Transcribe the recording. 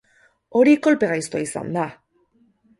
Hori kolpe gaiztoa izan da!